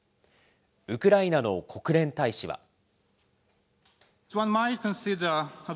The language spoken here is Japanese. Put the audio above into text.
ウクライナの国連大使は。